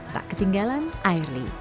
tak ketinggalan airly